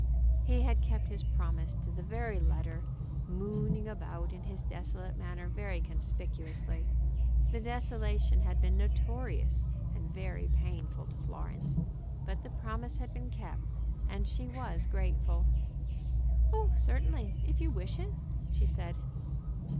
He had kept his promise to the very letter, mooning about in his desolate manner very conspicuously. The desolation had been notorious, and very painful to Florence, but the promise had been kept, and she was grateful. "Oh, certainly, if you wish it," she said.